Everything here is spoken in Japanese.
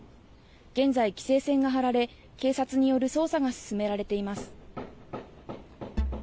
現在、規制線が張られ警察による捜査が進められています。